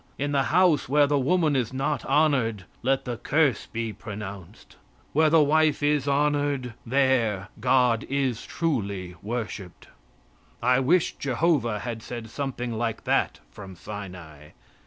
In the house where the woman is not honored, let the curse be pronounced. Where the wife is honored, there God is truly worshiped." I wish Jehovah had said something like that from Sinai.